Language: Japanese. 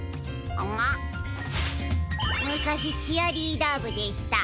むかしチアリーダーぶでした。